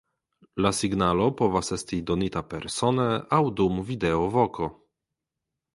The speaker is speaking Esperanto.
La signalo povas esti donita persone aŭ dum videovoko.